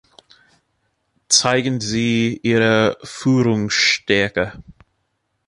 Zeigen Sie Ihre Führungsstärke.